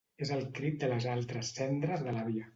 És el crit de les altres cendres de l’àvia.